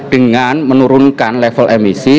dengan menurunkan level emisi